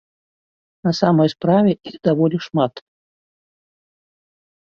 На самай справе іх даволі шмат.